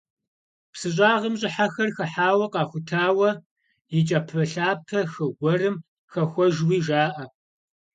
Псы щӏагъым щӏыхьэхэр хыхьауэ, къахутауэ, и кӏапэлъапэ хы гуэрым хэхуэжуи жаӏэ.